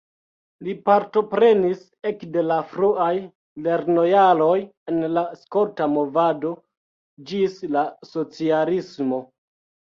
Li partoprenis ekde la fruaj lernojaroj en la skolta movado ĝis la socialismo.